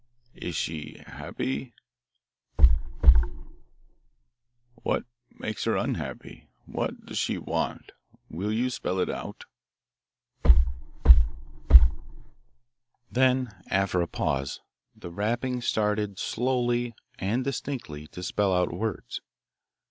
Rap! rap! "Is she happy?" Rap! rap! "What makes her unhappy? What does she want? Will you spell it out?" Rap! rap! rap! Then, after a pause, the rapping started slowly, and distinctly to spell out words.